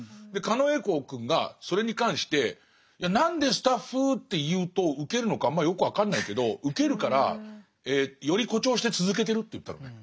狩野英孝くんがそれに関して「いや何でスタッフゥって言うとウケるのかあんまよく分かんないけどウケるからより誇張して続けてる」って言ったのね。